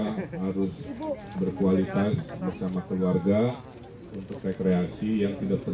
untuk rekreasi yang tidak perlu jauh jauh kira kira